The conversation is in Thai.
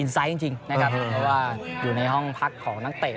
ไซส์จริงนะครับเพราะว่าอยู่ในห้องพักของนักเตะ